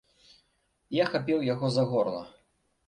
Я хапіў яго за горла.